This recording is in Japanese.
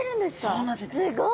そうなんですよ。